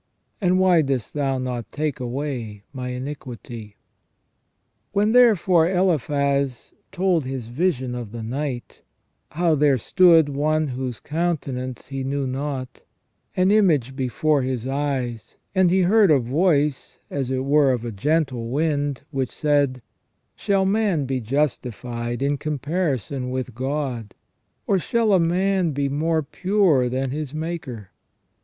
and why dost Thou not take away my iniquity ?" i6o SELF AND CONSCIENCE When, therefore, Eliphaz told his vision of the night, how there stood one whose countenance he knew not, an image before his eyes, and he heard a voice, as it were of a gentle wind, which said: "Shall man be justified in comparison with God, or shall a man be more pure than his Maker